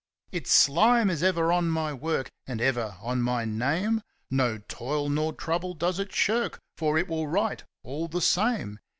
Its slime is ever on my work, and ever on my name; No toil nor trouble does It shirk—for It will write, all the same!